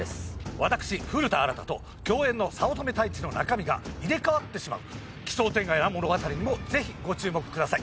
私古田新太と共演の早乙女太一の中身が入れ替わってしまう奇想天外な物語にもぜひご注目ください。